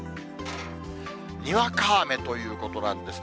にわか雨ということなんですね。